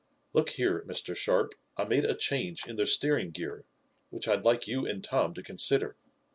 "Look here, Mr. Sharp, I made a change in the steering gear, which I'd like you and Tom to consider."